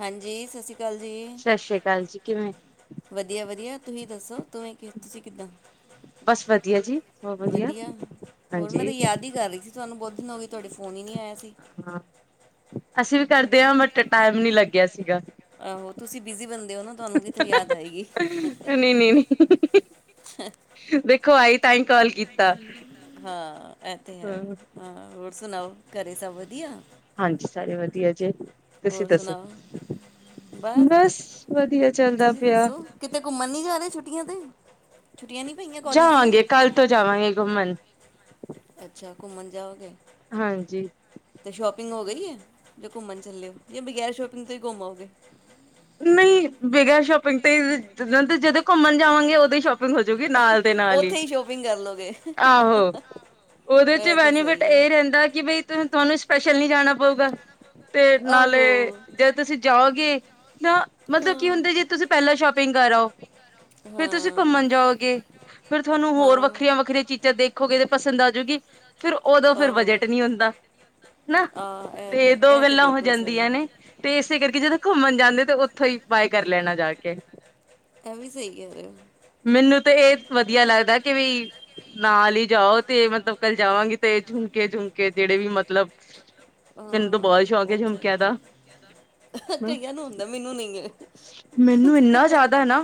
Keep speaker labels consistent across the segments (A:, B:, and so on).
A: ਹਾਂਜੀ ਸਤਿ ਸ੍ਰੀ ਅਕਾਲ ਜੀ ਜੀ
B: ਸਤਿ ਸ੍ਰੀ ਅਕਾਲ ਜੀ ਕਿਵੇਂ
A: ਵਧੀਆ ਵਧੀਆ ਤੁਸੀਂ ਦੱਸੋ ਤੁਸੀਂ ਕਿੱਦਾਂ।
B: ਬਸ ਵਧੀਆ ਜੀ ਬਹੁਤ
A: ਵਧੀਆ ਹੋਰ ਮੈਂ ਤੇ
B: ਹਾਂਜੀ
A: ਯਾਦ ਹੀ ਕਰ ਰਹੀ ਸੀ ਤੁਹਾਨੂੰ ਬਹੁਤ ਕਿਨੇ ਦਿਨ ਹੋ ਗਏ ਤੁਹਾਡਾ ਫੋਨ ਹੀ ਨਹੀ ਆਇਆ। ਜੀ
B: ਹਾਂ ਅਸੀਂ ਵੀ ਕਰਦੇ ਹਾਂ ਬਟ ਟਾਈਮ ਨੀ ਲੱਗਿਆ ਸੀਗਾ।
A: ਆਹੋ ਤੁਸੀਂ ਬਿਜੀ ਬੰਦੇ ਉਹ ਦੇ ਹੋ ਨਾ ਤੁਹਾਨੂੰ ਕਿਥੋਂ ਯਾਦ ਆਏਗੀ।
B: ਨਹੀਂ ਨਹੀਂ ਯਾਦ ਆਈਆਈ ਤਾਂ ਹੀ ਕਾਲ ਕੀ
A: ਹਾਂ ਇਹ ਤੇ
B: ਹਾਂ
A: ਹੈ ਹਾਂ ਸੁਣਾਓ ਕਰ ਸਭ ਵਧੀਆ।
B: ਹਾਂਜੀ ਸਾਰੇ ਵਧੀਆ ਜੀ। ਤੁਸੀ
A: ਹੋਰ
B: ਦੱਸੋ
A: ਸੁਣਾਓ
B: ਬਸ ਵਧੀਆ। ਚੱਲਦਾ
A: ਤੁਸੀਂ
B: ਪਿਆ
A: ਦੱਸੋ ਕਿਤੇ ਘੁੰਮਣ ਨੀ ਜਾ ਨਾ ਛੁੱਟੀਆਂ ਤੇ। ਛੁੱਟੀਆਂ ਨਹੀਂ ਪਈਆਂ ਕਾਲਜ ਦੀਆਂ
B: ਜਾਵਾਂਗੇ ਕੱਲ ਤੋਂ ਜਾਵਾਂਗੇ ਘੁੰਮਣ।
A: ਅੱਛਾ, ਘੁੰਮਨ ਜਾਓਗੇ।
B: ਹਾਂਜੀ
A: ਸ਼ੋਪਿੰਗ ਹੋ ਗਈ ਏ, ਜੋ ਘੁੰਮਣ ਚੱਲੇ ਓ। ਜੇ ਬਗੈਰ ਸ਼ੋਪਿੰਗ ਤੋਂ ਹੀ ਘੁੰਮ ਆੳਗੇ।
B: ਨਹੀਂ ਬਗੇਰ ਸ਼ੋਪਿੰਗ ਤੇ ਜ ਜਦੋਂ ਘੁੰਮਣ ਜਾਵਾਂਗੇ ਓਦੋ ਹੀ ਸ਼ੋਪਿ ਗ ਹੋ ਜੂਗੀ ਨਾਲ ਦੇ ਨਾਲ ਹੀ,
A: ਉੱਥੇ ਸ਼ੋਪਿੰਗ ਕਰ ਲੋਗੇ
B: ਆਹੋ ਓਦੇ ਚ
A: ਇਹ ਤਾਂ
B: ਬੈਨੀਫਿਟ
A: ਸਹੀ ਹੈ।
B: ਏ
A: ਇਹ
B: ਰੈਂਦਾ ਕਿ ਬਈ
A: ਰਹਿੰਦਾ ਕਿ
B: ਤੁਹਾਨੂੰ
A: ਬਈ
B: ਸਪੈਸ਼ਲ ਨੀ
A: ਤੁਹਾਨੂੰ
B: ਜਾਣਾ
A: ਸਪੈਸ਼ਲੀ
B: ਬਊਗਾ।
A: ਜਾਣਾ
B: ਤੇ
A: ਪਊਗਾ,
B: ਨਾਲੇ
A: ਆਹੋ।
B: ਜਦ ਤੁਸੀ
A: ਜੇ
B: ਜਾਓ ਗੇ
A: ਤੁਸੀਂ ਜਾਓਗੇ
B: ਨਾ ਮਤਲਬ ਕੀ
A: ਹਾਂ
B: ਹੁੰਦੇ ਜੇ ਤੁਸੀਂ ਪੈਲਾਂ ਸ਼ੋਪ ਪਿੰਗ ਕਰੋ।
A: ਤੇ ਹਾਂ।
B: ਫਿਰ ਤੁਸੀਂ ਘੁੰਮਨ ਜਾਓਗੇ,
A: ਘੁੰਮਣ ਜਾਓਗੇ,
B: ਫੇਰ ਤੁਹਾਨੂੰ ਹੋਰ
A: ਹਾਂ।
B: ਵੱਖਰੀਆਂ, ਵੱਖਰੀਆਂ ਚੀਜਾ
A: ਵੱਖਰੀਆਂ
B: ਦੇਖੋਗੇ ਤੇ
A: ਚੀਜ਼ਾਂ
B: ਪਸੰਦ
A: ਦੇਖੋਗੇ ਤੇ
B: ਆਜੂਗੀ।
A: ਪਸੰਦ ਆ
B: ਫਿਰ
A: ਜਾਊਗੀ,
B: ਓਦੋਂ ਫਿਰ
A: ਆਹੋ। ਉਦੋਂ
B: ਬਜਟ ਨੀ
A: ਫਿਰ
B: ਹੁੰਦਾ।
A: ਬਜਟ ਨਹੀਂ
B: ਹਨਾ,
A: ਹੁੰਦਾ। ਆਹ ਇਹ
B: ਤੇ ਦੋ
A: ਇਹ
B: ਗੱਲਾਂ ਹੋ
A: ਬਿਲਕੁਲ ਸਹੀ
B: ਜਾਂਦੀਆਂ ਨੇ ਤੇ ਕਰਕੇ ਜਦੋਂ ਘੁੰਮਨ ਜਾਂਦੇ ਸਗੋ ਓਥੋਂ ਹੀ ਬਾਏ ਕਰ ਲੈਣਾ ਜਾ ਕੇ।
A: ਐ ਵੀ ਸਹੀ ਕੈ ਰੇ ਓ।
B: ਮੈਨੂੰ ਤੇ ਏਹ ਵਦੀਆ ਲੱਗਦਾ ਕਿ ਵੀ ਨਾਲ ਹੀ ਜਾਓ, ਤੇ ਮਤਲਬ ਕੱਲ ਜਾਵਾਂਗੀ ਤੇ ਇਹ ਝੁਮਕੇ ਝੁਮ ਕੇ ਜੇੜੇ ਵੀ ਮਤਲਬ ਮੈਨੂੰ ਤਾਂ ਬਹੁਤ ਸ਼ੌਕ ਹੈ ਝੁਮਕਿਆਂ ਦਾ
A: ਕਈਆਂ ਨੂੰ ਹੁੰਦਾ ਮੈਨੂੰ ਨਹੀ ਹੈ।
B: ਮੈਨੂੰ ਇਨਾ
A: ਅੱਛਾ।
B: ਜਾਦਾ ਨਾ,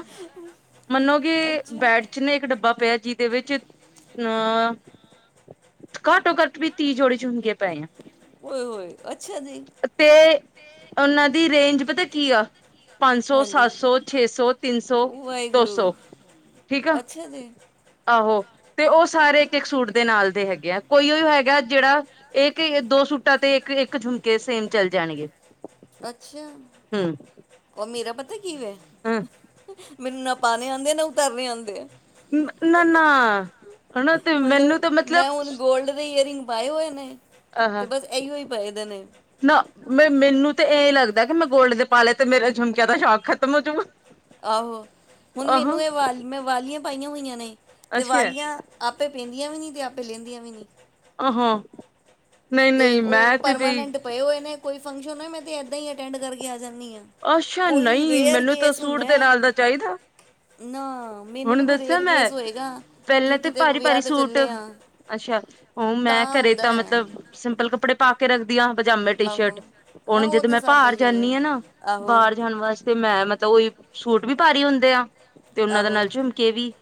B: ਮੰਨੋ ਗੇ
A: ਕਿਉਂਕਿ
B: ਬੈਡ ਚ ਨਾ ਏਕ ਡੱਬਾ
A: ਬੈਠਣੇ
B: ਪਿਆ
A: ਇੱਕ
B: ਜੀਦੇ
A: ਡੱਬਾ
B: ਵਿੱਚ
A: ਪਿਆ ਜਿਹਦੇ ਵਿੱਚ
B: ਅਹ ਘੱਟੋ ਘੱਟ ਵੀ ਤੀਹ ਜੋੜੀ ਝੂਮਕੇ ਪਏ ਆ।
A: ਓਹੇ, ਓਹੇ, ਅੱਛਾ ਜੀ।
B: ਤੇ ਉਹਨਾਂ ਦੀ ਰੇਂਜ ਪਤਾ ਕੀ ਆ? ਪੰਜ ਸੌ,
A: ਹਾਂਜੀ
B: ਸੱਤ ਸੌ, ਛੇ ਸੌ, ਤਿੰਨ ਸੌ, ਦੋ
A: ਵਾਹਿਗੁਰੂ
B: ਸੌ ਠੀਕ ਆ
A: ਅੱਛਾ ਜੀ
B: ਆਹੋ ਤੇ ਉਹ ਸਾਰੇ ਇੱਕ ਇੱਕ ਸੂਟ ਦੇ ਨਾਲ ਦੇ ਹੈਗੇ ਆ ਕੋਈ ਉਹ ਹੈਗਾ ਜਿਹੜਾ ਇੱਕ ਦੋ ਸੂਟਾਂ ਤੇ ਇੱਕ ਇੱਕ ਝੁਮਕੇ ਸੇਮ ਚੱਲ ਜਾਣਗੇ
A: ਅੱਛਾ
B: ਹੂੰ
A: ਉਹ ਮੇਰਾ ਪਤਾ ਕਿਵੇ ਮੈਨੂੰ ਨਾ ਪਾਉਣੇ ਆਉਂਦੇ ਆ ਨਾ ਉਤਰਨੇ ਆਉਂਦੇ ਆ
B: ਨਾ ਨਾ ਹਨ ਨਾ ਤੇ
A: ਮਤਲਬ
B: ਮੈਨੂੰ ਤੇ ਮਤਲਬ
A: ਮੈਂ ਹੁਣ ਦੇ ਇਅਰਿੰਗ ਪਾਏ ਹੋਏ ਨ
B: ਆਹ
A: ਤੇ ਬਸ ਇਹੀਓ ਹੀ ਪਏ ਦੇ ਨੇ
B: ਨਾ ਮੈਂ ਮੈਨੂੰ ਤੇ ਹੀ ਲੱਗਦਾ ਕਿ ਮੈਂ ਗੋਲਡ ਦੇ ਪਾਲੇ ਤੇ ਮੇਰਾ ਝੁਮਕਿਆਂ ਦਾ ਸ਼ੌਂਕ ਖਤਮ ਹੋਜੂਗਾ
A: ਆਹੋ ਹੁਣ
B: ਆਹਾਂ
A: ਮੈਨੂੰ ਇਹ ਵਾਲ ਮੈਂ ਵਾਲੀਆਂ ਪਾਈਆਂ ਹੋਈਆਂ ਨੇ ਤੇ
B: ਅੱਛਾ
A: ਵਾਲੀਆਂ ਆਪੇ ਪੈਂਦੀਆਂ ਵੀ ਨੀ ਤੇ ਆਪੇ ਲੈਂਦੀਆਂ ਵੀ ਨੀ
B: ਹਾਂ
A: ਤੇ ਉਹ ਪਰਮਾਨੈਂਟ ਪਏ ਹੋਏ ਨੇੇ ਕੋਈ ਫੰਕਸ਼ਨ ਹੋਏ ਮੈਂ ਤਾਂ ਇਦ ਹੀ ਅਟੈਂਡ ਕਰਕੇ ਆ ਜਾਂਦੀ ਆ
B: ਅੱਛਾ
A: ਕੋਈ
B: ਨਹੀਂ
A: ਰੇਅਰ
B: ਮੈਨੂੰ ਤਾਂ
A: ਕੇਸ
B: ਸੂਟ
A: ਹੁੰਦਾ
B: ਦੇ
A: ਹੈ
B: ਨਾਲ ਦਾ ਚਾਹੀਦਾ
A: ਨਾ ਮੈਨੂੰ
B: ਹੁਣ
A: ਤਾਂ ਕੋਈ
B: ਦੱਸਿਆ
A: ਰੇਅਰ
B: ਮੈਂ
A: ਕੇਸ ਹੋਏਗਾ ਕਿ
B: ਪਹਿਲਾਂ ਤੇ
A: ਕਿਤੇ
B: ਭਾਰੀ ਭਾਰੀ
A: ਵਿਆਹ ਤੇ
B: ਸੂਟ
A: ਚੱਲੇ ਆ
B: ਅੱਛਾ ਉਹ ਮੈਂ ਘਰੇ
A: ਹੁੰਦਾ
B: ਤਾਂ ਮਤਲਬ
A: ਹੈ
B: ਸਿੰਪਲ ਕੱਪੜੇ ਪਾ ਕੇ ਰੱਖਦੀ ਪਜਾਮੇ, ਟੀ-ਸ਼ਰਟ
A: ਆਹੋ ਹਾਂ
B: ਹੁਣ
A: ਉਹ
B: ਜਦੋਂ
A: ਤੇ
B: ਮੈਂ
A: ਸਭ
B: ਭਾਹਰ
A: ਹੀ ਹੋਇਆ
B: ਜਾਂਦੀ ਹਾਂ ਨਾ,
A: ਆਹੋ
B: ਬਾਹਰ ਜਾਣ ਵਾਸਤੇ ਮੈਂ, ਮਤਲਬ ਉਹੀ ਸੂਟ ਵੀ ਭਾਰੀ ਹੁੰਦੇ ਆ ਤੇ ਉਹਨਾਂ ਦੇ
A: ਆਹੋ
B: ਨਾਲ ਝੁਮਕੇ ਵੀ,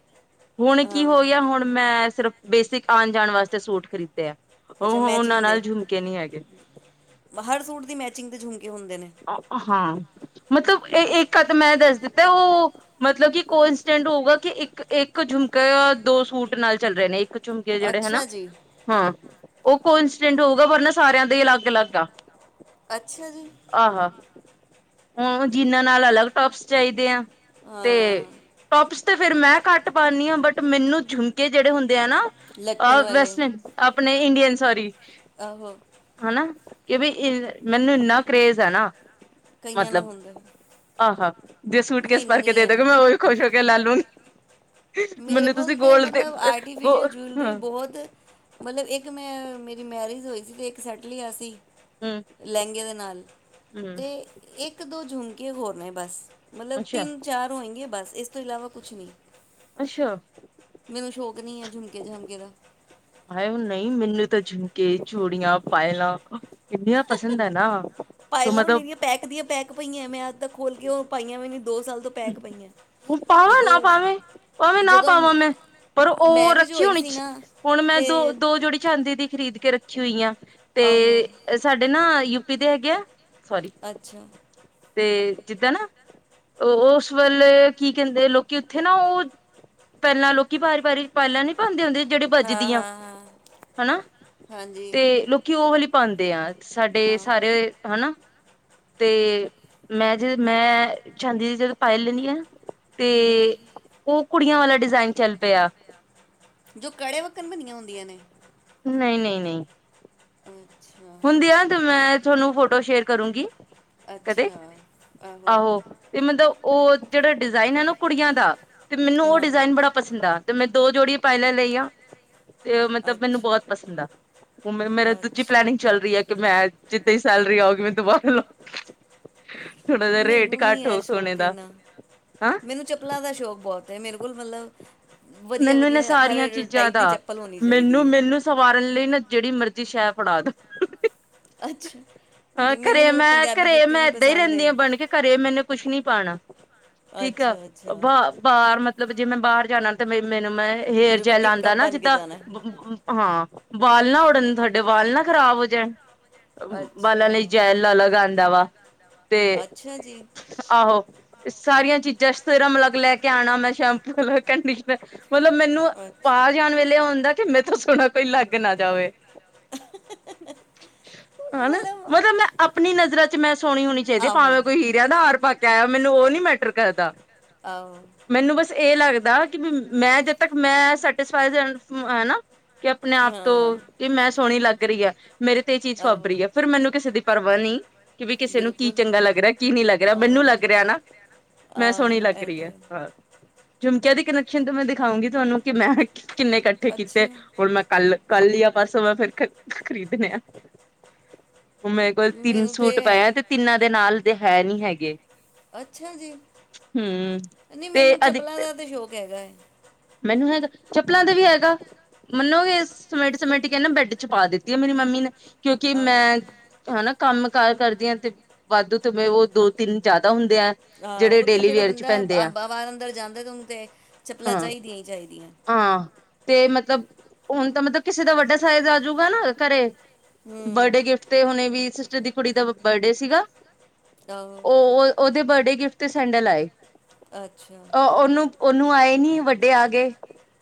B: ਹੁਣ ਕੀ
A: ਆਹੋ
B: ਹੋ ਗਿਆ ਹੁਣ ਮੈਂ ਸਿਰਫ ਬੇਸਿਕ ਆਣ-ਜਾਣ ਵਾਸਤੇ ਸੂਟ ਖਰੀਦੇ ਐ।
A: ਅੱਛਾ ਮੈਚਿੰਗ ਦੇ, ਹਰ ਸੂਟ ਦੀ ਮੈਚਿੰਗ ਤੇ ਝੁਮਕੇ ਹੁੰਦੇ ਨੇ
B: ਹਾ ਮਤਲਬ, ਇਹ ਇੱਕ ਅਦ ਮੈਂ ਦੱਸ ਦਿੱਤਾ। ਉਹ ਮਤਲਬ ਕਿ ਕੋ-ਇੰਸੀਡੈਂਟ ਹੋਊਗਾ ਕਿ ਇੱਕ-ਇੱਕ ਝੁਮਕਾ ਦੋ ਸੂਟ ਨਾਲ ਚੱਲ ਰਹੇ ਨੇ, ਇੱਕ ਝੁਮਕੇ ਜਿਹੜੇ ਹਨਾ,
A: ਅੱਛਾ ਜੀ
B: ਹਾਂ ਉਹ ਕੋ-ਇੰਸੀਡੈਂਟ ਹੋਊਗਾ ਵਰਨਾ ਸਾਰਿਆਂ ਦੇ ਅਲੱਗ-ਅਲੱਗ ਆ।
A: ਅੱਛਾ ਜੀ
B: ਆਹ ਹ ਆਹੋ ਜਿਨਾਂ ਨਾਲ ਅਲੱਗ ਟੋਪਸ ਚਾਹੀਦੇ ਆ ਤੇ
A: ਹਾਂ
B: ਟੋਪਸ ਤਾਂ ਫਿਰ ਮੈਂ ਘੱਟ ਪਾਣੀ ਹਾਂ ਬਟ ਮੈਨੂੰ ਝੁਮਕੇ ਜਿਹੜੇ ਹੁੰਦੇ ਹੈ ਨਾ
A: ਲਟਕਣ ਵਾਲੇ
B: ਵੈਸਟਰਨ ਆਪਣੇ ਇੰਡੀਅਨ ਸੋਰੀ
A: ਆਹੋ
B: ਹਨਾ ਕਿ ਬਈ ਇਹ ਮੈਨੂੰ ਇੰਨਾ ਕਰੇਜ ਹੈ ਨਾ
A: ਕਈਆਂ ਨੂੰ
B: ਮਤਲਬ,
A: ਹੁੰਦਾ
B: ਆਹ ਹਾ ਜੇ ਸੂਟਕੇਸ
A: ਮੈਨੂੰ
B: ਭਰ ਕੇ
A: ਨਹੀਂ ਹੈ
B: ਦੇਦੋਗੇ ਮੈਂ ਉਹੀ ਖੁਸ਼ ਹੋ ਕੇ ਲੈ ਲੂੰਗੀ।
A: ਮੇਰੇ
B: ਮੈਨੂੰ ਤੁਸੀਂ
A: ਕੋਲ ਤੇ
B: ਗੋਲਡ
A: ਮਤਲਬ
B: ਗੋ
A: ਆਰਟੀਫਿਸ਼ਲ ਜੂਲਰੀ
B: ਹਾਂ
A: ਬਹੁਤ, ਮਤਲਬ ਇੱਕ ਮੈਂ ਮੇਰੀ ਮੈਰਿਜ ਹੋਈ ਸੀ ਤੇ ਇੱਕ ਸੈਟ ਲਿਆ ਸੀ।
B: ਹੂੰ
A: ਲਹਿੰਗੇ ਦੇ ਨਾਲ
B: ਹੂੰ
A: ਤੇ ਇੱਕ ਦੋ ਜੂਨ ਕੀ ਹੋਰ ਨੇ ਬਸ। ਮਤਲਬ
B: ਅੱਛਾ
A: ਤਿੰਨ-ਚਾਰ ਹੋਏਗੇ ਬਸ। ਇਸ ਤੋਂ ਇਲਾਵਾ ਕੁਛ ਨੀ
B: ਅੱਛਾ
A: ਨੀ ਹੈ ਝੁਮਕੇ-ਝਾਮਕੇ ਦਾ।
B: ਹਾਏ ਓ ਨਹੀਂ ਮੈਨੂੰ ਤਾਂ ਝੁਮਕੇ, ਚੂੜੀਆਂ, ਪਾਯਲਾਂ ਇੰਨੀਆਂ ਪਸੰਦ ਹੈ ਨਾ ਤੋ
A: ਪਾਇਲਾਂ
B: ਮਤਲਬ
A: ਮੇਰੀਆਂ ਪੈਕ ਦੀਆਂ ਪੈਕ ਪਈਆਂ ਮੈਂ ਅੱਜ ਤਕ ਖੋਲ ਕੇ ਉਹ ਪਾਈਆਂ ਵੀ ਨੀ
B: ਪਾਵਾਂ ਨਾ ਪਾਵੇ, ਭਾਵੇਂ ਨਾ
A: ਜਦੋਂ
B: ਪਾਵਾਂ ਮੈਂ ਪਰ ਉਹ
A: ਮੈਰਿਜ
B: ਰੱਖੀ
A: ਹੋਈ
B: ਹੋਣੀ,
A: ਸੀ ਨਾ
B: ਹੁਣ ਮੈਂ
A: ਤੇ
B: ਦੋ-ਦੋ ਜੋੜੀ ਚਾਂਦੀ ਦੀ ਖਰੀਦ ਕੇ ਰੱਖੀ ਖਰੀਦ ਕੇ ਰੱਖੀ ਆ ਹੋਈਐ।
A: ਆਹੋ
B: ਤੇ ਸਾਡੇ ਨਾ ਪੀਦੇ ਹੈਗੇ ਆ [unintelligible]
A: ਅੱਛਾ
B: ਤੇ ਜਿੱਦਾਂ ਨਾ ਉਹ ਉਸ ਵੇਲੇ ਕੀ ਕਹਿੰਦੇ, ਲੋਕੀ ਉੱਥੇ ਨਾ ਉਹ ਪਹਿਲਾਂ ਲੋਕੀ ਵਾਰੀ ਵਾਰੀ ਪੈਲਾਂ ਨੀ ਪਾਉਂਦੇ ਹੁੰਦੇ। ਜਿਹੜੇ
A: ਹਾਂ
B: ਵੱਜਦੀਆਂ
A: ਹਾਂ ਹਾਂ
B: ਹਨਾ
A: ਹਾਂਜੀ
B: ਤੇ ਲੋਕੀ ਉਹ ਵਾਲੀ ਪਾਉਂਦੇ ਆ ਸਾਡੇ
A: ਆਹ,
B: ਸਾਰੇ ਹਨਾ। ਤੇ ਮੈਂ ਜੇ ਮੈਂ ਚਾਂਦੀ ਦੀ ਜਦੋਂ ਪਾਇਲ ਲੈਣੀ ਆ। ਤੇ
A: ਹਮ,
B: ਉਹ ਕੁੜੀਆਂ ਵਾਲਾ ਡਿਜ਼ਾਈਨ ਟਰੈਡ ਚੱਲ ਪਿਆ।
A: ਜੋ ਕੜੇ ਵੱਕਣ ਬਣੀਆਂ ਹੁੰਦੀਆਂ ਨੇ,
B: ਨਹੀਂ ਨਹੀਂ ਨਹੀਂ।
A: ਹੂੰ
B: ਹੁੰਦੀ ਆ ਤੇ ਮੈਂ ਤੁਹਾਨੂੰ ਫੋਟੋ ਸ਼ੇਅਰ ਕਰੂੰਗੀ। ਕਦੇ,
A: ਅੱਛਾ
B: ਆਹੋ ਤੇ ਮਤਲਬ ਉਹ ਜਿਹੜਾ ਡਿਜਾਇਨ ਹੈ ਨਾ ਕੁੜੀਆਂ ਦਾ, ਤੇ ਮੈਨੂੰ ਉਹ
A: ਹਾਂ
B: ਡਿਜਾਇਨ ਬੜਾ ਪਸੰਦ ਆ। ਤੇ ਮੈਂ ਦੋ ਜੋੜੀ ਪਾਇਲ ਲਈਆਂ ਤੇ ਮਤਲਬ ਮੈਨੂੰ
A: ਅੱਛਾ
B: ਬਹੁਤ ਪਸੰਦ ਆ। ਮ ਮੇਰਾ ਦੂਜੀ
A: ਅੱਛਾ
B: ਪਲੈਨਿੰਗ ਚੱਲ ਰਹੀ ਹੈ ਕਿ ਮੈਂ ਜਿੱਦਾਂ ਹੀ ਸੈਲਰੀ ਆਉਗੀ ਮੈਂ ਦੁਬਾਰ ਲ ਥੋੜਾ ਜਿਹਾ ਰੇਟ
A: ਮੈਨੂੰ ਨੀ
B: ਘੱਟ
A: ਇਹ
B: ਹੋ ਸੋਨੇ
A: ਸ਼ੋਕ
B: ਦਾ
A: ਇਨਾ
B: ਹਾਂ
A: ਮੈਨੂੰ ਚੱਪਲਾਂ ਦਾ ਸ਼ੌਕ ਬਹੁਤ ਤੇ ਮੇਰੇ ਕੋਲ ਮਤਲਬ ਵਧੀਆ
B: ਮੈਨੂੰ ਨਾ
A: ਵਧੀਆ ਹਰ
B: ਸਾਰੀਆਂ ਚੀਜ਼ਾਂ
A: ਟਾਈਪ
B: ਦਾ
A: ਦੀ ਚੱਪਲ ਹੋਣੀ
B: ਮੈਨੂੰ
A: ਚਾਹੀਦੀ ਹੈ
B: ਮੈਨੂੰ ਸਵਾਰਨ ਲਈ ਨਾ ਜਿਹੜੀ ਮਰਜ਼ੀ ਸ਼ਹਿ ਫੜਾ ਦੋ।
A: ਅੱਛਾ
B: ਹਾਂ
A: ਦੀ ਮੈਨੂੰ
B: ਘਰੇ
A: ਮਤਲਬ
B: ਮੈਂ
A: ਪੰਜਾਬੀ
B: ਘਰੇ
A: ਜੁੱਤੀ
B: ਮੈਂ
A: ਵੀ
B: ਏਦਾਂ ਹੀ
A: ਪਸੰਦ
B: ਰਹਿੰਦੀ
A: ਹੈ
B: ਹਾਂ ਬਣ ਕੇ ਘਰੇ ਮੈਨੂੰ ਕੁਛ ਨੀ ਪਾਉਣਾ ਠੀਕ ਆ
A: ਅੱਛਾ
B: ਬ
A: ਅੱਛਾ
B: ਬਾਹਰ ਮਤ ਮਤਲਬ ਜੇ ਮੈਂ ਬਾਹਰ ਜਾਣਾ ਤੇ ਮੈਂ ਮੈਨੂੰ ਮੈਂ ਹੇਅਰ
A: ਬਿਲਕੁਲ
B: ਜੈਲ
A: ਟਿਪ
B: ਆਉਂਦਾ
A: ਟੋਪ
B: ਨਾ
A: ਬਣ ਕੇ
B: ਜਿੱਦਾਂ
A: ਜਾਣਾ ਹੈ।
B: ਹਾਂ। ਵਾਲ ਨਾ ਉੱੜਨ ਤੁਹਾਡੇ ਵਾਲ ਨਾ ਖਰਾਬ ਹੋ ਜਾਏ।
A: ਅੱ
B: ਵਾਲਾ ਲਈ ਜੈਲ ਅਲਗ ਆਂਦਾ। ਵਾਹ ਤੇ
A: ਅੱਛਾ ਜੀ
B: ਆਹੋ ਸਾਰੀਆਂ ਚੀਜ਼ਾਂ ਸਿਰਮ ਅਲੱਗ ਲੈ ਕੇ ਆਉਣਾ ਮੈਂ ਸ਼ੈਂਪੂ ਅਲਗ ਕੰਡੀਸ਼ਨਰ ਮਤਲਬ ਮੈਨੂੰ
A: ਅੱਛਾ
B: ਬਾਹਰ ਜਾਣ ਵੇਲੇ ਓਦਾ ਕਿ ਮੇ ਤੋਂ ਸੋਣਾ ਕੋਈ ਲੱਗ ਨਾ ਜਾਵੇ ਹਨਾ ਮਤਲਬ ਮੈਂ ਆਪਣੀ ਨਜ਼ਰਾਂ ਚ ਮੈਂ ਸੋਹਣੀ ਹੋਣੀ ਚਾਹੀਦੀ
A: ਆਹੋ
B: ਭਾਵੇਂ ਕੋਈ ਹੀਰਿਆ ਦਾ ਹਾਰ ਪਾ ਕੇ ਟੈਮ ਮੈਨੂੰ ਉਹ ਨੀ ਮੈਟਰ ਕਰਦਾ
A: ਆਹੋ
B: ਮੈਨੂੰ ਬਸ ਇਹ ਲੱਗ ਕਿ ਮੈਂ [unintelligible] ਤ [unintelligible] ਮੈਂ ਸੈਟ ਫਾਈ ਹਨਾ ਕਿ ਆਪਣੇ ਆਪ ਤੋਂ
A: ਹਾਂ
B: ਕਿ ਮੈਂ ਸੋਹਣੀ ਲੱਗ ਰਹੀ ਆ ਮੇਰੇ ਤੇ ਇਹ ਚੀਜ਼ ਫ
A: ਆਹੋ
B: ਹੈ ਫਿਰ ਮੈਨੂੰ ਕਿਸੇ ਦੀ ਪਰਵਾਹ ਨਹੀਂ ਕਿ ਵੀ ਕਿਸੇ ਨੂੰ ਕੀ
A: ਬਿਲਕੁਲ
B: ਚੰਗਾ ਲੱਗ ਰਿਹਾ ਕੀ ਨਹੀਂ ਲੱਗ ਰਿਹਾ ਮੈਨੂੰ
A: ਆਓ
B: ਲੱਗ ਰਿਹਾ ਨਾ ਮੈਂ ਸੋਹਣੀ
A: ਆ
B: ਲੱਗ
A: ਇਹ
B: ਰਹੀ ਹੈ
A: ਤੇ
B: ਹਾਂ ਝੁਮਕਿਆਂ ਦੇ ਕਨੈਕਸ਼ਨ ਤੋਂ ਮੈਂ ਦਿਖਾਂਉਗੀ ਤੁਹਾਨੂੰ ਕਿ ਮੈਂ ਕਿੰਨੇ ਇਕੱਠੇ
A: ਅੱਛਾ
B: ਕੀਤੇ ਹੁਣ ਮੈਂ ਕੱਲ ਕੱਲ ਯਾ ਪਰਸੋ ਮੈਂ ਫੇਰ ਖਰੀਦਨੇ ਆ। ਮੇਰੇ ਕੋਲ ਤਿੰਨ ਸੂਟ ਪਏ ਤੇ ਤਿੰਨਾਂ ਦੇ ਨਾਲ ਤੇ ਹੈ ਨਹੀ ਹੈਗੇ।
A: ਅੱਛਾ ਜੀ,
B: ਹੂੰ
A: ਨਹੀਂ
B: ਤੇ
A: ਮੈਨੂੰ ਚੱਪਲਾਂ
B: ਅਧਿਕ
A: ਦਾ ਤੇ ਸ਼ੌਕ ਹੈਗਾ ਹੈ।
B: ਮੈਨੂੰ ਹੈਗਾ, ਚੱਪਲਾਂ ਦੇ ਵੀ ਹੈਗਾ। ਮੰਨੋਗੇ ਸਮੇਟ, ਸਮੇਟ ਕੇਨਾ ਬੈਡ ਚ ਪਾ ਦਿੱਤੀ ਹੈ ਮੇਰੀ ਮੰਮੀ ਨੇ ਕਿਯੁਕਿ
A: ਆਹੋ
B: ਮੈਂ ਹਨਾ ਕੰਮ ਕਾਰ ਕਰਦੀਆ ਤੇ ਵਾਧੂ, ਤੇ ਮੈਂ ਓ ਦੋ-ਤਿੰਨ ਜਾਦਾ ਹੁੰਦੀ
A: ਆਹ, ਓਹ ਤੇ ਜੇੜਾ ਬੰਦਾ ਬਾਰ-ਅੰਦਰ ਜਾਂਦਾ ਤੇ ਓਨੂੰ ਤੇ ਚਪਲਾ
B: ਹਾਂ
A: ਚਾਹੀਦਾ।
B: ਹਾਂ, ਤੇ ਮਤਲਬ ਹੁਨ ਤਾਂ ਮਤਬ ਕਿਸੇ ਦਾ ਵੱਡਾ ਸਾਈਜ਼ ਆਜੂਗਾ ਨਾ ਘਰੇ
A: ਹੂੰ
B: ਬਡੇ ਗਿਫਟ ਤੇ ਹੁਣੇ ਵੀ ਟਰ ਦੀ ਕੁੜੀ ਦਾ ਬਰਡੇ ਸੀਗਾ।
A: ਆਹੋ
B: ਓਹ, ਓਦੇ ਬਡੇ ਗਿਫਟ ਤੇ ਸੈਂਡਲ ਆਏ।
A: ਅੱਛਾ
B: ਅ ਓਨੂੰ, ਓਨੂੰ ਆਏ ਨੀ ਵੱਡੇ ਆ ਗਏ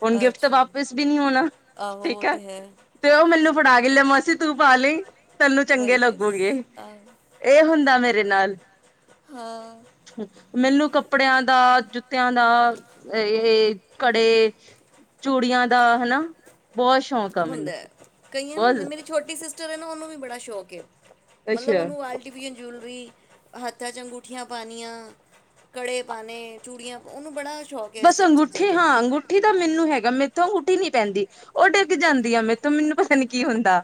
B: ਹੁਣ ਗਿਫਟ ਤਾਂ
A: ਅੱਛਾ
B: ਵਾਪਿਸ ਵੀ ਨੀ ਹੋਣਾ
A: ਆਹੋ
B: ਠੀਕ
A: ਉਹ
B: ਹੈ
A: ਤੇ
B: ਤੇ ਉਹ ਮੈਨੂੰ ਫੜਾ ਗਲੇ ਮਾਸੀ ਤੂੰ ਪਾ ਲਈ ਤੈਨੂੰ ਚੰਗੇ
A: ਵਈ
B: ਲੱਗੂਗੇ
A: ਆਹੋ
B: ਇਹ ਹੁੰਦਾ ਮੇ ਤੇ ਨਾਲ
A: ਹਾਂ
B: ਮੈਨੂੰ ਕੱਪੜਿਆਂ ਦਾ, ਜੁ [inaudible] ਕੜੇ ਚੂੜੀਆਂ ਦਾ ਹਨਾ ਬਹੁਤ ਸ਼ੌਕ ਆ
A: ਹੁੰਦਾ
B: ਮੈਨੂੰ
A: ਕਈਆਂ ਨੂੰ ਹੁੰਦਾ
B: ਬਹੁਤ
A: ਮੇਰੀ ਛੋਟੀ ਸਿਸਟਰ ਨਾ ਉਹਨੂੰ ਵੀ ਬੜਾ ਸ਼ੌਕਏ ਮਤਲਬ
B: ਅੱਛਾ
A: ਉਹਨੂੰ ਜੂਲਰੀ ਹੱਥਾਂ ਚ ਅੰਗੂਠੀਆਂ ਪਾਉਣੀਆਂ ਕੜੇ ਪਾਉਣੇ ਚੂੜੀਆਂ ਉਹਨੂੰ ਬੜਾ ਸ਼ੌਕ ਹੈ ਇਸ
B: ਬਸ
A: ਸਭ ਚੀਜ਼ਾਂ
B: ਅੰਗੂਠੀ
A: ਦਾ
B: ਹਾਂ ਅੰਗੂਠੀ ਦਾ ਮੈਨੂੰ ਹੈਗਾ ਮੇ ਤੂੰ ਅਗੂਥੀ ਨੀ ਪੈਂਦੀ ਉਹ ਡਿੱਗ ਜਾਂਦੀ ਆ ਮੇਰੇ ਤੋਂ ਮੈਨੂੰ ਪਤਾ ਨੀ ਕੀ ਹੁੰਦਾ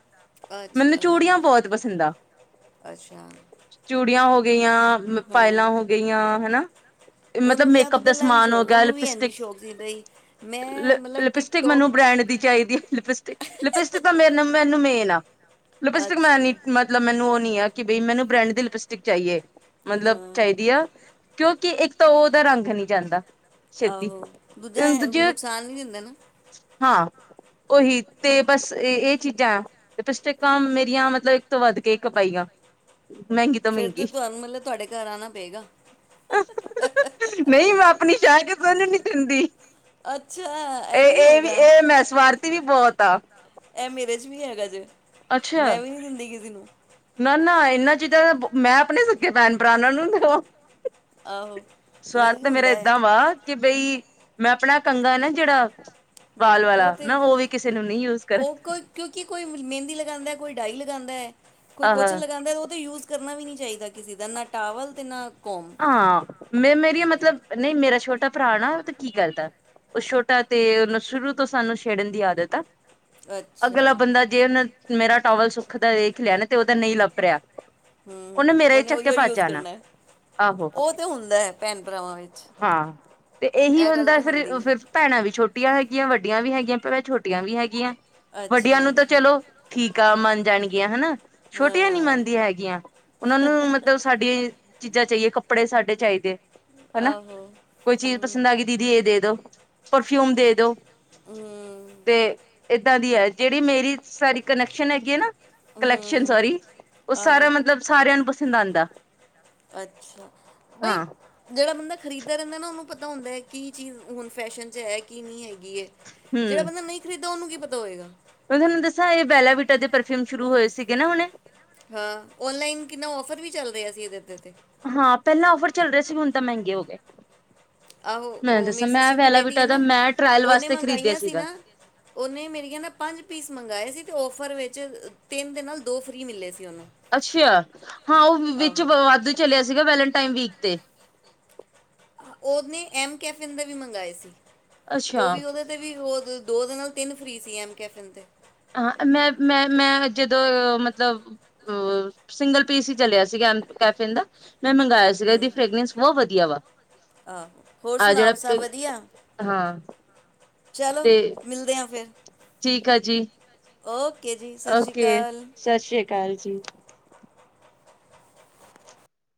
B: ਮੈਨੂੰ
A: ਅੱਛਾ
B: ਚੂੜੀਆਂ ਬਹੁਤ ਪਸੰਦ ਆ
A: ਅੱਛਾ
B: ਚੂੜੀਆਂ ਹੋ ਗਈਆਂ
A: ਹਾਂ
B: ਪਾਇਲਾਂ ਹੋ ਗਈਆਂ ਹਨਾ ਮਤਲਬ
A: ਉਹਨੂੰ ਵਿਆਹ
B: ਮੇਕਅੱਪ
A: ਤੋਂ
B: ਦਾ
A: ਪਹਿਲਾਂ ਵੀ
B: ਸਮਾਨ ਹੋ
A: ਸ਼ੌਕ
B: ਗਿਆ
A: ਉਹਨੂੰ ਵੀ ਇ ਜੀ
B: ਲਿਪਸਟਿਕ
A: ਸ਼ੌਕ ਸੀ ਬ ਮੈਂ ਮਤਲਬ ਟਿਪ
B: ਲਿਪਸਟਿਕ
A: ਟੋਪ
B: ਮੈਨੂੰ ਬ੍ਰੈਂਡ ਦੀ ਚਾਹੀਦੀ ਹੈ ਲਿਪਸਟਿਕ ਲਿਪਸਟਿਕ ਤਾਂ ਮੇਰੇ ਮੈਨੂੰ ਮੇਨ ਆ ਲਿਪਸਟਿਕ ਮੈ ਨੀ
A: ਅੱਛਾ
B: ਮਤਲਬ ਮੈਨੂੰ ਕਿ ਬਈ ਮੈਨੂੰ ਬ੍ਰੈਂਡ ਦੀ ਲਿਪਸਟਿਕ ਚਾਹੀਏ ਮਤਲਬ
A: ਹਾਂ
B: ਚਾਹੀਦੀ ਆ ਕਿਉਂਕਿ ਇੱਕ ਤਾਂ ਉਹਦਾ ਰੰਗ ਨਹੀਂ ਜਾਂਦਾ ਛੇਤੀ
A: ਆਹੋ ਦੂਜਾ ਹੈ
B: ਦੂਜੇ
A: ਨੁਕਸਾਨ ਨ ਦਿੰਦਾ ਨਾ
B: ਹਾਂ ਉਹੀ ਤੇ ਬਸ ਇਹ ਚੀਜ਼ਾਂ ਆ ਤੇ ਲਿਪਸਟਿਕਾਂ ਮੇਰੀਆਂ ਮਤਲਬ ਇੱਕ ਤੋਂ ਵੱਧ ਕੇ ਕ ਪਾਈਆਂ ਮਹਿੰਗੀ ਤੋਂ
A: ਫੇਿਰ ਤੇ
B: ਮਹਿੰਗੀ
A: ਤੁਹਾਨੂੰ ਮਤਲਬ ਤੁਹਾਡੇ ਘਰ ਆਣਾ ਪਏਗਾ
B: ਨਹੀਂ ਮੈਂ ਆਪਣੀ ਚਾਹ ਕੇ ਕਿਹਨੂੰ ਨੀ ਦਿੰਦੀ
A: ਅੱਛਾ ਇਹ ਵੀ ਹੈਗਾ
B: ਵੀ ਬਹੁਤ ਆ
A: ਇਹ ਮੇਰੇ ਚ ਵੀ ਹੈਗਾ ਜੇ
B: ਅੱਛਾ
A: ਮੈਂ ਵੀ ਨਹੀਂ ਦਿੰਦੀ ਕਿਸੇ ਨੂੰ
B: ਨਾ ਨਾ ਇਹਨਾ ਚੀਜ਼ਾਂ ਮੈਂ ਆਪਣੇ ਸਕੇ ਭੈਣ ਭਰਾਨਾਂ ਨੂੰ ਦਿਓ
A: ਆਹੋ
B: ਸਵਾਲ
A: ਨਹੀਂ
B: ਤਾਂ ਮੇਰਾ
A: ਹੁੰਦਾ ਹੈ
B: ਏਦਾਂ ਵਾ ਕਿ ਬਈ ਮੈਂ ਆਪਣਾ ਕੰਗਾ ਨਾ ਜਿਹੜਾ ਵਾਲ
A: ਹਮ ਉਹ
B: ਵਾਲਾ
A: ਤੇ
B: ਮੈਂ ਵੀ ਕਿਸੇ ਨੂੰ ਨਹੀਂ ਯੂਜ ਕਰ
A: ਉਹ ਕੋਈ ਕਿਉਂਕਿ ਕੋਈ ਮਹਿੰਦੀ ਲਗਾਉਂਦਾ ਕੋਈ ਡਾਈ ਲਗਾਉਂਦਾ ਹੈ ਕੋਈ
B: ਆਹ
A: ਕੁਛ ਲਗਾਉਦਾ ਉਹ ਯੂਜ ਕਰਨਾ ਵੀ ਨਹੀਂ ਚਾਹੀਦਾ ਕਿਸੇ ਦਾ ਨਾ ਟਾਵਲ ਅਤੇ ਨਾ ਕੋਮ
B: ਹਾਂ ਮੈਂ ਮੇਰੀ ਮਤਲਬ ਨਹੀਂ ਮੇਰਾ ਛੋਟਾ ਭਰਾ ਨਾ ਉ ਤੇ ਕੀ ਕਰਦੈ ਉ ਛੋਟਾ ਤੇ ਓਨੂ ਸ਼ੁਰੂ ਤੋਂ ਸਾਨੂੰ ਛੇੜਨ ਦੀ ਆਦਤ ਆ।
A: ਅੱਛਾ
B: ਅਗਲਾ ਬੰਦਾ ਜੇ ਓਨੇ ਮੇਰਾ ਟੋਵੇਲ ਸੁੱਕਦਾ ਦੇਖ ਲਿਆ ਨਾ ਤੇ ਓਦਾ ਨਹੀਂ ਲੱਭ ਰਿਆ
A: ਹਾਂ, ਓਨੇ ਓਹੀਓ ਯੂਜ
B: ਜਾਣਾ
A: ਕਰਨੈ।
B: ਆਹੋ, ਹਾਂ ਤੇ ਏਹੀ
A: ਇਹ ਗੱਲ
B: ਹੁੰਦੈ
A: ਤੇ
B: ਫਿਰ
A: ਹੁੰਦੀ ਹੈ
B: ਫਿਰ ਭੈਣਾਂ ਵੀ ਛੋਟੀਆਂ ਹੈਗੀਆਂ ਵੱਡੀਆਂ ਵੀ ਹੈਗੀਆਂ ਭਵੇ ਛੋਟੀਆਂ ਵੀ ਹੈਗੀਆਂ ਵੱਡੀਆਂ
A: ਅੱਛਾ
B: ਨੂੰ ਤਾਂ
A: ਅੱਛਾ
B: ਚਲੋ, ਠੀਕ ਆ ਮਨ ਜਾਣਗੀਆਂ ਹਨਾ। ਛੋਟੀਆਂ ਨੀ
A: ਹਾਂ
B: ਮੰਨਦੀਆਂ ਹੈਗੀਆਂ ਔਨਾਂ ਨੂੰ ਮਤਲਬ ਸਾਡੀ ਕੱਪੜੇ ਸਾਡੇ ਹੀ ਚਾਹੀਦੇ ਹਨਾ
A: ਆਹੋ
B: ਕੋਈ ਚੀਜ਼
A: ਹੂੰ
B: ਪਸੰਦ ਆ ਗੀ ਦੀਦੀ ਏ ਦੇ ਦੋ। ਪਰਫਿਊਮ ਦੇ ਦੋ।
A: ਹੂੰ
B: ਤੇ ਏਦਾਂ ਦੀ ਐ। ਜੇੜੀ ਮੇਰੀ ਸਾਰੀ ਕਨੈਕਸ਼ਨ ਹੈਗੀ ਏ ਨਾ ਕਲੈਕਸ਼ਨ
A: ਹੂੰ
B: ਸੋਰੀ ਓਹ ਸਾਰਾ
A: ਆਹੋ
B: ਮਤਲਬ ਸਾਰਿਆਂ ਨੂੰ ਪਸੰਦ ਆਂਦਾ।
A: ਅੱਛਾ ਬਈ ਜਿਹੜਾ ਬੰਦਾ ਖਰੀਦਦਾ ਰੈੰਦਾ ਨਾ ਓਨੂੰ ਪਤਾ ਹੁੰਦੈ ਕੀ ਚੀਜ਼ ਹੁਣ ਫੈਸ਼ਨ ਚ ਹੈ ਕੀ ਨੀ ਹੈਗ ਜਿਹੜਾ
B: ਹਮ
A: ਬੰਦਾ ਨਹੀਂ ਖਰੀਦਾ ਉਹਨੂੰ ਕੀ ਪਤਾ ਤਾ ਹੋਏਗਾ।
B: ਮੈਂ ਤੁਹਾਨੂੰ ਦੱਸਾਂ ਏ ਬੈਲਾਵੀਟਾ ਦੇ ਪਰਫਿਊਮ ਸ਼ੁਰੂ ਹੋਏ ਸੀਗੇ ਨਾ ਹੁਣੇ
A: ਹਾਂ ਕਦੇ।
B: ਹਾਂ, ਪਹਿਲਾਂ ਔਫਰ ਚੱਲ ਰਿਆ ਸੀ, ਹੁਣ ਤਾਂ ਮੈੰਗੇ ਹੋ ਗੇ।
A: ਆਹੋ, ਔ ਮੇਰੀ ਸਿਸਟਰ ਦੀ ਬੇਟੀ ਏ
B: ਵਿਟਾ ਦਾ
A: ਨਾ
B: ਮੈਂ ਟਰਾਇਲ
A: ਔਨੇ
B: ਵਾਸਤੇ ਖਰੀਦਿਆ
A: ਮੰਗਾਈਆਂ ਸੀ
B: ਸੀਗਾ
A: ਨਾ ਔਨੇ ਮੇਰੀਆਂ ਨਾ ਪੰਜ ਪੀਸ ਮੰਗਾਏ ਸੀ ਤੇ ਔਫਰ ਵੇ ਜੇ ਤਿੰਨ ਦੇ ਨਾਲ ਦੋ ਫ੍ਰੀ ਮਿਲੇ ਸੀ। ਉਹਨੂੰ
B: ਅੱਛਾ, ਹਾਂ ਔ ਵਿੱਚ
A: ਆਹੋ
B: ਵਾਧੂ ਚਲਿਆ ਸੀਗਾ ਵੈਲਟਾਈਨ ਵੀਕ ਤੇ
A: ਓਹਨੇ ਐਮ ਕੈਫੇਨ ਦਾ ਵੀ ਮੰਗਾਏ ਸੀ। ਉ
B: ਅੱਛਾ
A: ਵੀ ਓਦੇ ਤੇ ਵੀ ਔ ਦ ਦੋ ਦੇ ਨਾਲ ਤੇੰਨ ਫ੍ਰੀ ਸੀ ਐੱਮ ਕੈਫਿਨ 'ਤੇ।
B: ਹਾਂ, ਮੈਂ-ਮੈਂ-ਮੈਂ, ਜਦੋਂ ਮਤਲਬ ਅ ਸਿੰਗਲ ਪੀਸ ਹੀ ਚਲਿਆ ਸੀਗਾ ਕੈਫੇਨ ਦਾ ਮੈਂ ਮੰਗਾਆ ਸੀਗਾ ਇਦੀ ਫਰੈਗਰੈਂਸ ਬੌਤ ਵਧੀਆ ਵਾ,
A: ਆਹੋ ਹੋਰ
B: ਆਹ ਜੇੜਾ
A: ਸੁਣਾਓ ਸਭ
B: ਪਿੰਗ
A: ਵਧੀਆ
B: ਹਾਂ।
A: ਚਲੋ
B: ਤੇ,
A: ਮਿਲਦੇ
B: ਠੀਕ ਆ ਜੀ‌
A: ਓ
B: ਓਕੇ ਸਤ ਸ੍ਰੀ ਅਕਾਲ ਜੀ।